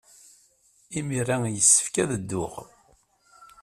Imir-a, yessefk ad dduɣ.